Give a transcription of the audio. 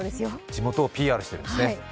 地元をＰＲしているんですね。